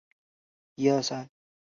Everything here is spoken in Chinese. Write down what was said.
高古出身于荷兰中下游球会。